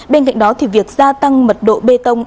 bên cạnh đó việc gia tăng mật độ bê tông